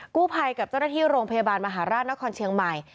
กู้ภัยกับเจ้าหน้าที่โรงพยาบาลมหาราชนครเชียงใหม่